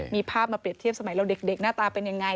มีภาพมาเปรียบเทียบสมัยเราเด็กหน้าตาเป็นยังไง